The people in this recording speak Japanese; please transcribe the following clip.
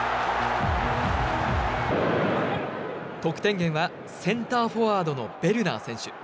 得点源はセンターフォワードのベルナー選手。